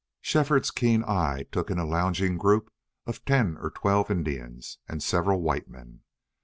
Shefford's keen eye took in a lounging group of ten or twelve Indians and several white men.